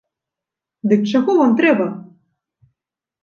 Дык чаго вам трэба?